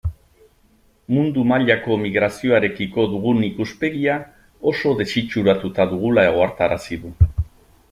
Mundu mailako migrazioarekiko dugun ikuspegia oso desitxuratuta dugula ohartarazi du.